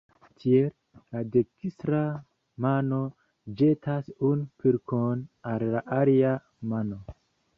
Tiel, la dekstra mano ĵetas unu pilkon al la alia mano.